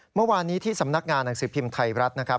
เมื่อวานนี้ที่สำนักงานหนังสือพิมพ์ไทยรัฐนะครับ